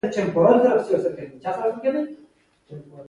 دا وخت نو غربت دومره زیات و.